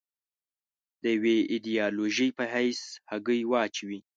د یوې ایدیالوژۍ په حیث هګۍ واچوي.